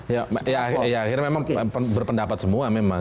ya akhir akhir memang berpendapat semua memang